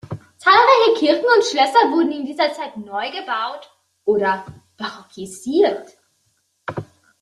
Zahlreiche Kirchen und Schlösser wurden in dieser Zeit neu gebaut oder barockisiert.